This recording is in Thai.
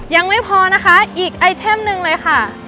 ยังไม่พอนะคะอีกไอเทมหนึ่งเลยค่ะ